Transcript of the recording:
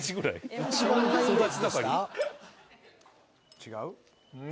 違う？